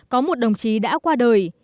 có một đồng chí đã qua đời